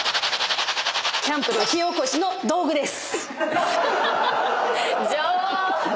キャンプの火おこしの道具です！